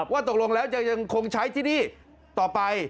ว่าตกลงแล้วจะยังคงใช้ที่นี่ต่อไป